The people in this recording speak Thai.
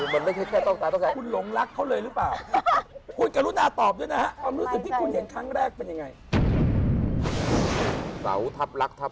มันไม่ใช่แค่ต้องกายต้องแข็ง